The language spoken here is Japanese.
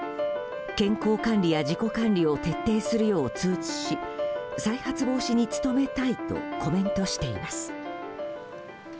健康管理や自己管理を徹底するよう通知し再発防止に努めたいとコメントしています。